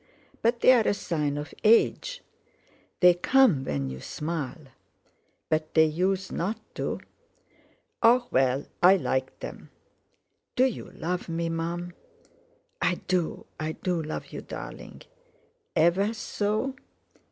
But they're a sign of age." "They come when you smile." "But they usen't to." "Oh! well, I like them. Do you love me, Mum?" "I do—I do love you, darling." "Ever so?"